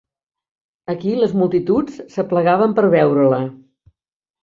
Aquí les multituds s'aplegaven per veure-la.